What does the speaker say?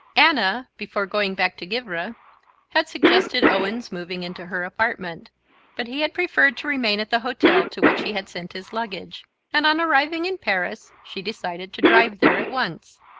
Anna, before going back to Givre, had suggested Owen's moving into her apartment, but he had preferred to remain at the hotel to which he had sent his luggage, and on arriving in Paris she decided to drive there at once.